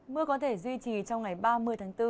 mưa có thể duy trì trong ngày ba mươi tháng bốn